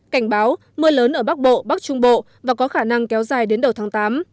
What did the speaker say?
cảnh báo mưa lớn ở bắc bộ bắc trung bộ và có khả năng kéo dài đến đầu tháng tám